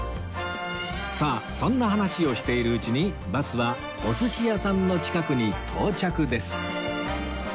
さあそんな話をしているうちにバスはお寿司屋さんの近くに到着です